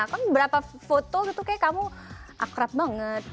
kan beberapa foto gitu kayak kamu akrab banget